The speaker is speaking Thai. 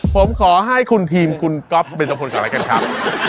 ผมขอให้คุณทีมคุณก๊อฟเป็นสมควรกับอะไรกันครับ